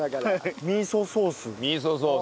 ミーソソース。